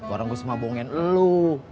orang gue semua bohongin elu